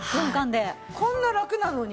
こんなラクなのに？